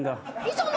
磯野。